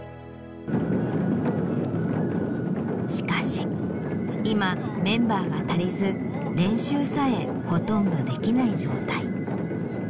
しかし今メンバーが足りず練習さえほとんどできない状態。